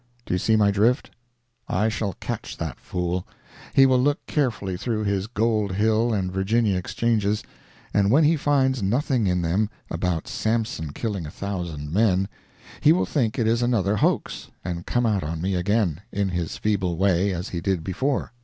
Do you see my drift? I shall catch that fool. He will look carefully through his Gold Hill and Virginia exchanges, and when he finds nothing in them about Samson killing a thousand men, he will think it is another hoax, and come out on me again, in his feeble way, as he did before.